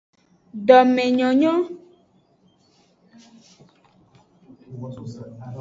Domenyonyo.